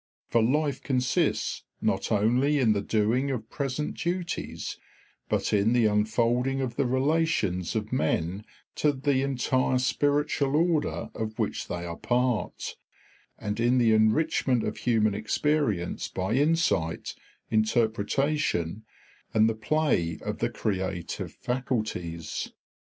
For life consists not only in the doing of present duties, but in the unfolding of the relations of men to the entire spiritual order of which they are part, and in the enrichment of human experience by insight, interpretation, and the play of the creative faculties.